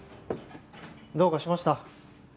どうかしました？